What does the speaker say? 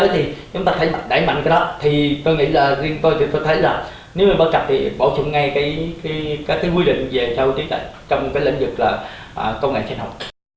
thì tôi nghĩ là riêng tôi thì tôi thấy là nếu mà bất cập thì bảo trọng ngay cái quy định về trong cái lĩnh vực là công nghệ sinh học